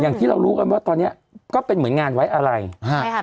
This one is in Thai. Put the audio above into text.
อย่างที่เรารู้กันว่าตอนเนี้ยก็เป็นเหมือนงานไว้อะไรฮะใช่ค่ะ